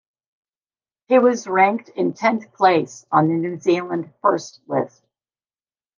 He was ranked in tenth place on the New Zealand First list.